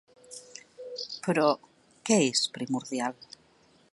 Però, què és primordial?